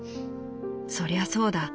「そりゃそうだ。